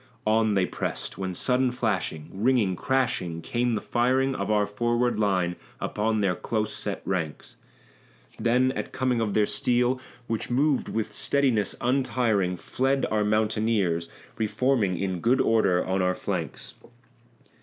On they pressed, when sudden flashing, ringing, crashing, came the firing Of our forward line upon their close set ranks; Then at coming of their steel, which moved with steadiness untiring. Fled our mountaineers, re forming in good order on our flanks.